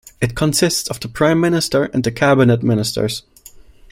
It consists of the Prime Minister and the cabinet ministers.